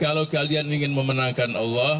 kalau kalian ingin memenangkan allah